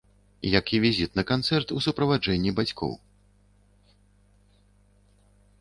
Як і візіт на канцэрт у суправаджэнні бацькоў.